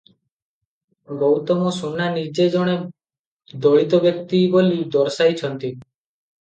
ଗୌତମ ସୁନା ନିଜେ ଜଣେ ଦଳିତ ବ୍ୟକ୍ତି ବୋଲି ଦର୍ଶାଇଛନ୍ତି ।